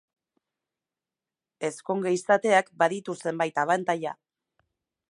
Ezkonge izateak baditu zenbait abantaila.